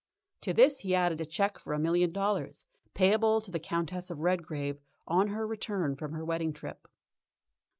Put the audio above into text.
To this he added a cheque for a million dollars payable to the Countess of Redgrave on her return from her wedding trip.